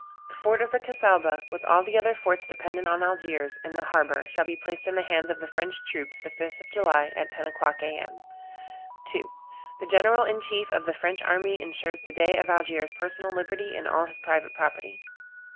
The fort of the Cassaubah, with all the other forts dependent on Algiers, and the harbor, shall be placed in the hands of the French troops the 5th of July, at 10 o'clock, A.M. "2. The general in chief of the French army ensures the Dey of Algiers personal liberty, and all his private property.